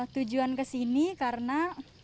tujuan kesini karena